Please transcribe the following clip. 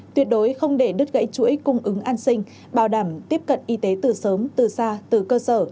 tuyệt đối không để đứt gãy chuỗi cung ứng an sinh bảo đảm tiếp cận y tế từ sớm từ xa từ cơ sở